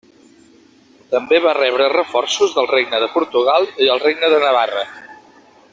També va rebre reforços del Regne de Portugal i el Regne de Navarra.